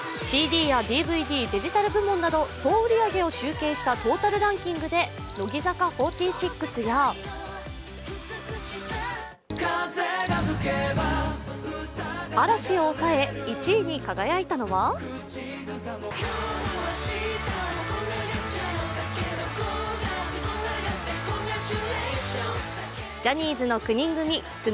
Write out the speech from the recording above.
ＣＤやＤＶＤ、デジタル部門など総売り上げを集計したトータルランキングで乃木坂４６や嵐を抑え、１位に輝いたのはジャニーズの９人組、ＳｎｏｗＭａｎ。